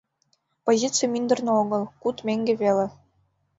Позиций мӱндырнӧ огыл, куд меҥге веле.